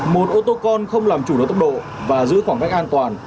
một ô tô con không làm chủ được tốc độ và giữ khoảng cách an toàn